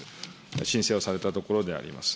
申請をされたところであります。